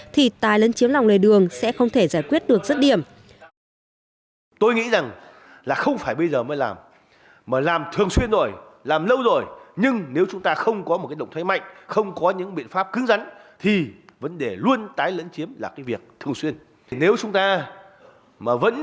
thì tái lấn chiếm lòng lời đường sẽ không thể giải quyết được rất điểm